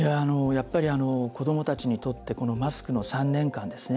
子どもたちにとってマスクの３年間ですね。